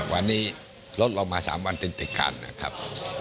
วันนี้ลดลงมา๓วันติดกันนะครับ